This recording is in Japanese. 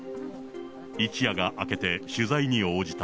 一夜が明けて取材に応じた。